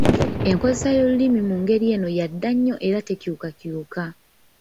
Enkozesa y'olulimi mu ngeri eno yadda nnyo era tekyukakyuka.